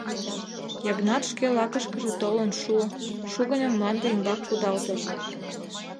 Йыгнат шке лакышкыже толын шуо, шугыньым мланде ӱмбак кудалтыш.